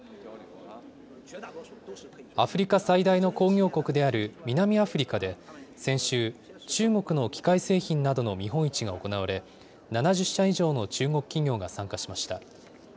アフリカ最大の工業国である南アフリカで先週、中国の機械製品などの見本市が行われ、７０社以上の中国企業が参加しました。